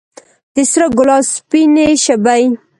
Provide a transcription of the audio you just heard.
د سره ګلاب سپینې شبۍ